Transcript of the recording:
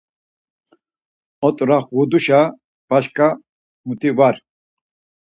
Ot̆rağuduşa başǩa muti var.